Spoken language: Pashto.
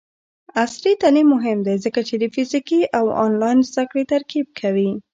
عصري تعلیم مهم دی ځکه چې د فزیکي او آنلاین زدکړې ترکیب کوي.